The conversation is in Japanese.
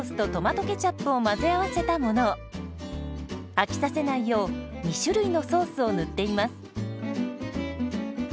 飽きさせないよう２種類のソースを塗っています。